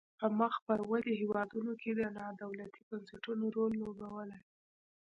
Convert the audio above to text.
په مخ پر ودې هیوادونو کې نا دولتي بنسټونو رول لوبولای.